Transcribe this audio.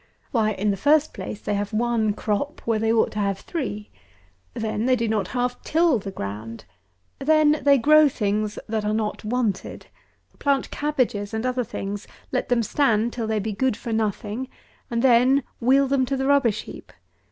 Why, in the first place, they have one crop where they ought to have three. Then they do not half till the ground. Then they grow things that are not wanted. Plant cabbages and other things, let them stand till they be good for nothing, and then wheel them to the rubbish heap.